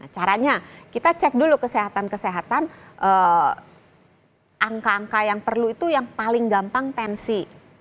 caranya kita cek dulu kesehatan kesehatan angka angka yang perlu itu yang paling gampang tensi